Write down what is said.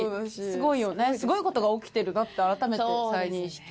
すごい事が起きてるなって改めて再認識。